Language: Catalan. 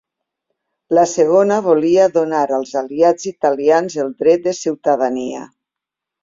La segona volia donar als aliats italians el dret de ciutadania.